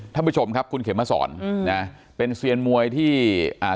ท่านผู้ชมครับคุณเขมมาสอนอืมนะเป็นเซียนมวยที่อ่า